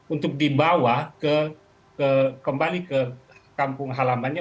untuk dibawa kembali ke kampung halamannya